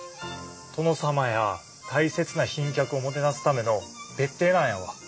殿様や大切な賓客をもてなすための別邸なんやわ。